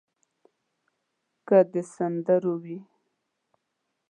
که د سندرو وي.